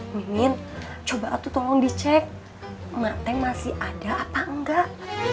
mimin coba atuh tolong dicek mataeng masih ada apa enggak